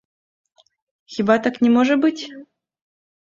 Хіба так не можа быць?